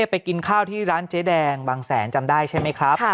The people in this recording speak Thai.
ไปกินข้าวที่ร้านเจ๊แดงบางแสนจำได้ใช่ไหมครับ